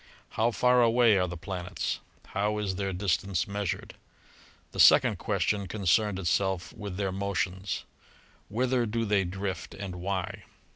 How far away are the planets? How is their distance measured? The second question concerned itself with their motions, Whither do they drift and why?